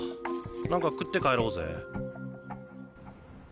何か食って帰ろうぜ。